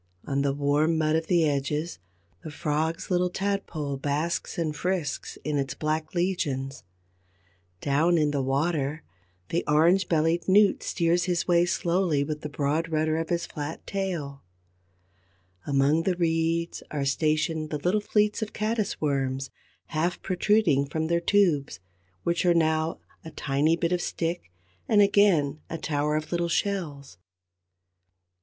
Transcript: On the warm mud of the edges, the Frog's little Tadpole basks and frisks in its black legions; down in the water, the orange bellied Newt steers his way slowly with the broad rudder of his flat tail; among the reeds are stationed the little fleets of the Caddis worms, half protruding from their tubes, which are now a tiny bit of stick and again a tower of little shells.